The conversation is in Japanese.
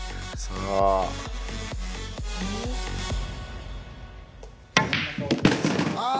ああ！